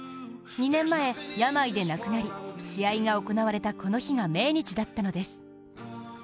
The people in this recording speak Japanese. ２年前、病で亡くなり、試合が行われたこの日が命日だったのです。